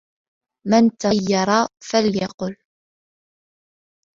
مَنْ تَطَيَّرَ فَلْيَقُلْ